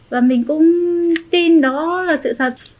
và mình cũng tin đó là sự thật